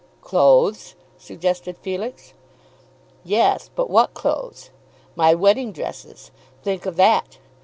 "Clothes," suggested Felix. "Yes, but what clothes? my wedding dresses. Think of that!